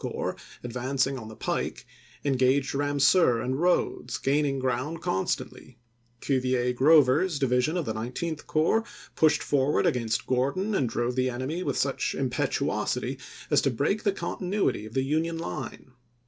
xiii. Corps, advancing on the pike, engaged Ramseur and Rodes, gaining ground constantly; Cuvier Grover's division of the Nineteenth Corps pushed ww. ' forward against Gordon and drove the enemy with such impetuousity as to break the continuity of the Union line.